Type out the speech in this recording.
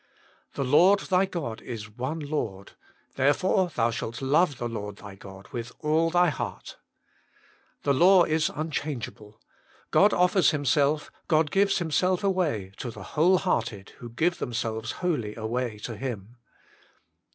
" The Lord thy God is one Lord, therefore thou shalt love the Lord thy God with all thy heart" The law is unchangeable: God offers Himself, gives Himself away, to the whole hearted who give themselves wholly away to Him.